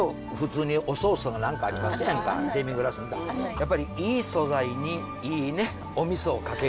やっぱりいい素材にいいねおみそをかける。